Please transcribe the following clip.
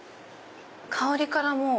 香りからもう。